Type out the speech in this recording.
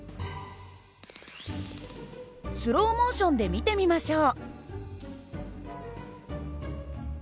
スローモーションで見てみましょう。